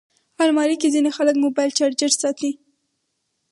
الماري کې ځینې خلک موبایل چارجر ساتي